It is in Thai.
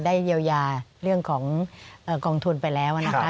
เยียวยาเรื่องของกองทุนไปแล้วนะคะ